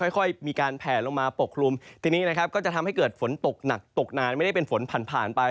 ค่อยมีการแผลลงมาปกคลุมทีนี้นะครับก็จะทำให้เกิดฝนตกหนักตกนานไม่ได้เป็นฝนผ่านผ่านไป